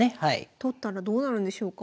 取ったらどうなるんでしょうか？